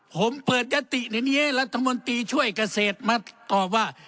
ผมเปิดยติในนี้ให้รัฐมนตรีช่วยเกษตรมาตอบว่า